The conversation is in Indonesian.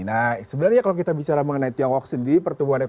nah sebenarnya kalau kita bicara mengenai tiongkok sendiri